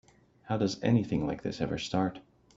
How does anything like this ever start?